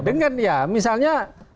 dengan ya misalnya